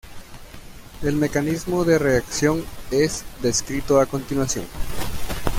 El mecanismo de reacción es descrito a continuación.